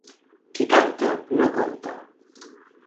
Qui canta, no conta.